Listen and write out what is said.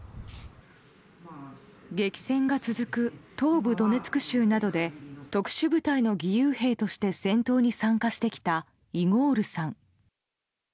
激戦が続く東部ドネツク州などで特殊部隊の義勇兵として戦闘に参加してきたイゴールさん。